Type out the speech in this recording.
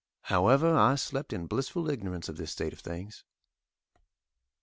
However, I slept in blissful ignorance of this state of things.